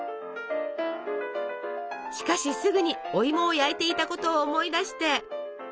しかしすぐにおいもを焼いていたことを思い出して。